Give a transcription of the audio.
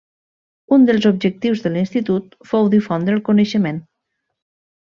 Un dels objectius de l'Institut fou difondre el coneixement.